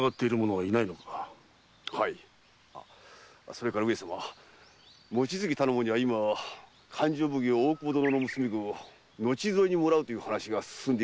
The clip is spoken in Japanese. はいそれから上様望月頼母には今勘定奉行・大久保殿の娘御を後添えにもらうという話が進んでいるそうにございます。